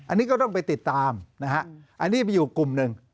อันนี้ก็ต้องไปติดตามนะฮะอันนี้มีอยู่กลุ่มหนึ่ง